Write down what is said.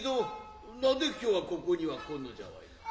どんなんで今日はここには来んのじゃわい。